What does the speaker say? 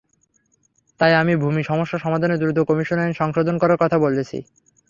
তাই আমরা ভূমি সমস্যা সমাধানে দ্রুত কমিশন আইন সংশোধন করার কথা বলেছি।